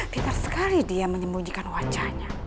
pintar sekali dia menyembunyikan wajahnya